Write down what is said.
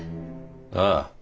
ああ。